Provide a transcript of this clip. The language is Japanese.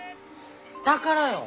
だからよ。